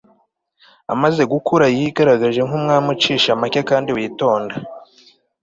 amaze gukura yigaragaje nk'umwami ucisha make kandi witonda